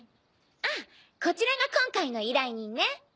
あっこちらが今回の依頼人ね。